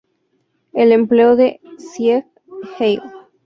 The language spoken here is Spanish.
El empleo de "Sieg Heil!